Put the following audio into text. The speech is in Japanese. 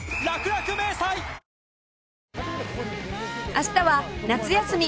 明日は夏休み！